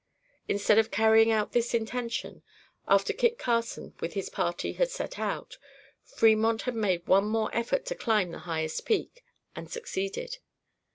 Instead of carrying out this intention, after Kit Carson with his party had set out, Fremont made one more effort to climb the highest peak and succeeded.